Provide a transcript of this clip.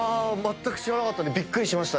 知らなかったんでびっくりした。